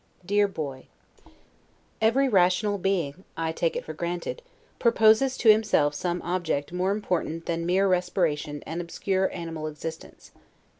DEAR Boy: Every rational being (I take it for granted) proposes to himself some object more important than mere respiration and obscure animal existence.